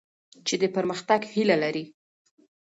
چي د پرمختګ هیله لرئ.